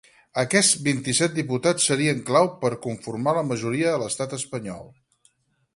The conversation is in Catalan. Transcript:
Aquests vint-i-set diputats serien clau per a conformar la majoria a l’estat espanyol.